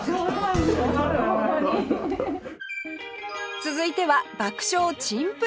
続いては爆笑珍プレー